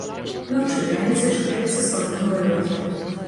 Ноччу і раніцай чакаецца слабы галалёд.